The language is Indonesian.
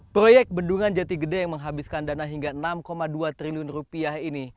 proyek bendungan jati gede yang menghabiskan dana hingga enam dua triliun rupiah ini